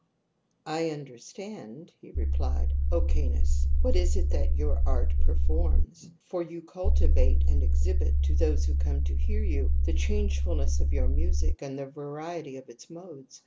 "I understand," he replied, "© Canus, what it is that your art performs; for you cultivate and. exhibit to those who come to hear you the changefulness of your music and the variety of its modes.